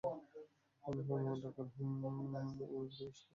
অনুপমা ঢাকার home economics college থেকে স্নাতক।